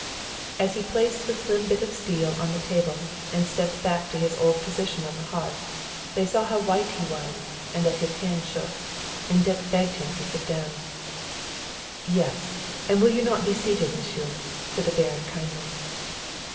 As he placed the slim bit of steel on the table and stepped back to his old position on the hearth, they saw how white he was, and that his hand shook, and Dick begged him to sit down. "Yes; will you not be seated, Monsieur?" said the Baron kindly.